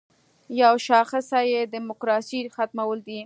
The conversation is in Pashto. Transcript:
یوه شاخصه یې د دیموکراسۍ ختمول دي.